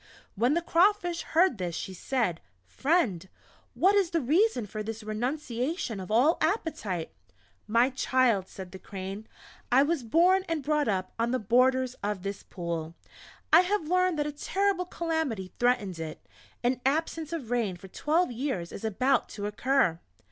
When the Crawfish heard this she said: "Friend, what is the reason for this renunciation of all appetite?" "My child," said the Crane, "I was born and brought up on the borders of this Pool. I have learned that a terrible calamity threatens it; an absence of rain for twelve years is about to occur."